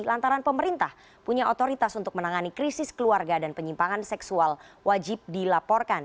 lantaran pemerintah punya otoritas untuk menangani krisis keluarga dan penyimpangan seksual wajib dilaporkan